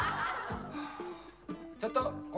ちょっとコ。